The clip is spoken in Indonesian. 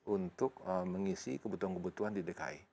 untuk mengisi kebutuhan kebutuhan di dki